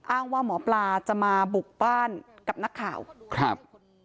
อ้างว่าหมอปลาจะมาบุกบ้านกับนักข่าวครับ